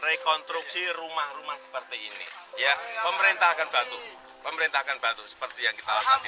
rekonstruksi rumah rumah seperti ini ya pemerintah akan bantu pemerintah akan bantu seperti yang